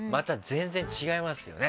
全然違いますね。